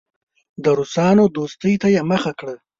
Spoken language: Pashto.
د روسانو دوستۍ ته یې مخه کړه.